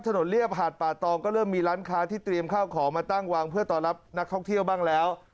เรียบหาดป่าตองก็เริ่มมีร้านค้าที่เตรียมข้าวของมาตั้งวางเพื่อต้อนรับนักท่องเที่ยวบ้างแล้ว